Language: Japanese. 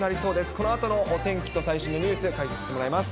このあとのお天気と最新のニュース、解説してもらいます。